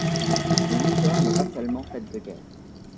Mais l'histoire n'est pas seulement faite de guerres.